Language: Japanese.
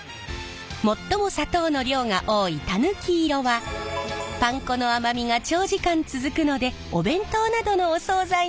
最も砂糖の量が多いタヌキ色はパン粉の甘みが長時間続くのでお弁当などのお総菜にぴったり。